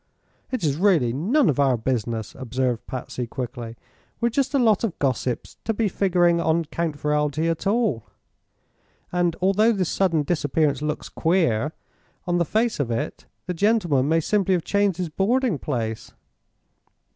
"It is really none of our business," observed Patsy, quickly. "We're just a lot of gossips to be figuring on Count Ferralti at all. And although this sudden disappearance looks queer, on the face of it, the gentleman may simply have changed his boarding place."